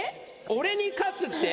俺に勝つって？